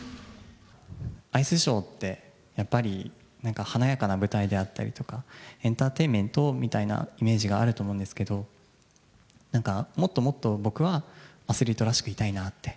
アイスショーって、やっぱりなんか華やかな舞台であったりとか、エンターテインメントみたいなイメージがあると思うんですけど、なんか、もっともっと、僕はアスリートらしくいたいなって。